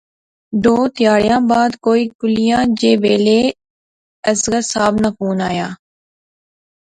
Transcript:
ددو تہاڑیاں بعد کوئی کلیلیں جے ویلے اصغر صاحب ناں فوں آیا